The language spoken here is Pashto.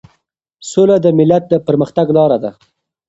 سوله د ملت د پرمختګ لار ده.